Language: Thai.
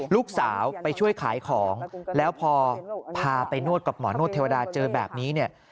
ลูกสาวไปช่วยขายของแล้วพอพาไปนวดกับหมอนวดเทวดาเจอแบบนี้เนี่ย